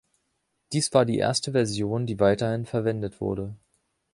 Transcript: Dies war die erste Version, die weithin verwendet wurde.